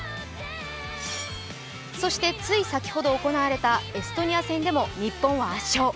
そしてつい先ほど行われたエストニア戦でも日本は圧勝。